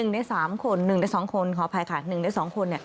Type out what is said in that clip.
ใน๓คน๑ใน๒คนขออภัยค่ะ๑ใน๒คน